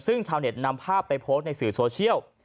ซึ่งชาวเน็ตนำภาพไปโพสต์ในสื่อโซเชียล